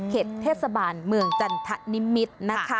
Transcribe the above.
เทศบาลเมืองจันทนิมิตรนะคะ